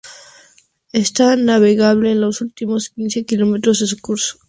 Es navegable en los últimos quince kilómetros de su curso.